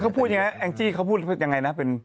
เขาพูดยังไงแองจี้เขาพูดยังไงนะ